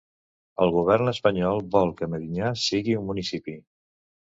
El govern espanyol Vol que Medinyà sigui un municipi